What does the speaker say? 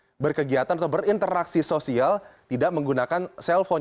mereka yang berkegiatan atau berinteraksi sosial tidak menggunakan cellphone